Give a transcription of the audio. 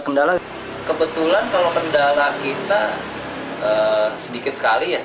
kebetulan kalau kendala kita sedikit sekali